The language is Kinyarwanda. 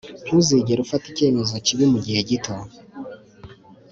ntuzigere ufata icyemezo kibi mugihe gito